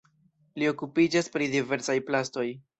Li okupiĝas pri diversaj plastoj.